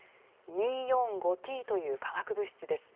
２，４，５ーＴという化学物質です。